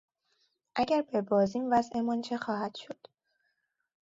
اگر ببازیم وضعمان چه خواهد شد؟